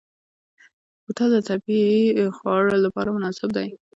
بوتل د طبعي خوړ لپاره مناسب دی.